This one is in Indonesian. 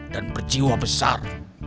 dan berjiwa besar